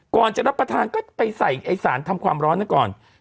ก่อนจะรับประทานก็ไปใส่ไอ้สารทำความร้อนนั้นก่อน